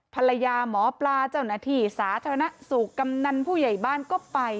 ภรรยาหมอปลาเจ้าหน้าที่สาธารณสุขกำนันผู้ใหญ่บ้านก็ไป